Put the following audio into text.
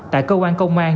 tại cơ quan công an